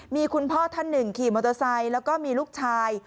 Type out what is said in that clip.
มีคุณพ่อท่านหนึ่งขี่มอเตอร์ไซค์แล้วก็มีลูกชาย